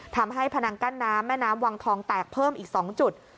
พนังกั้นน้ำแม่น้ำวังทองแตกเพิ่มอีก๒จุด